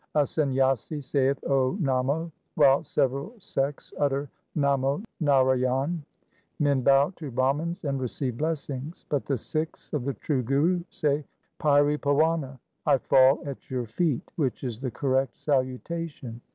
A Sanyasi saith ' O namo !' while several sects utter ' Namo Narayan !' Men bow to Brahmans and receive blessings. But the Sikhs of the true Guru say ' Pairi pawana '— I fall at your feet — which is the correct salutation.